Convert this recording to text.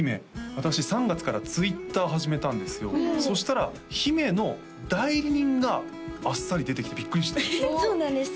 私３月からＴｗｉｔｔｅｒ始めたんですよそしたら姫の代理人があっさり出てきてビックリしたそうなんです